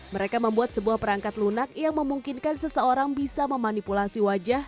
mereka membuat sebuah perangkat lunak yang memungkinkan seseorang bisa memanipulasi wajah